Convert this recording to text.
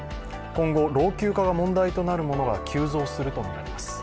今後、老朽化が問題となるものが急増するとみられます。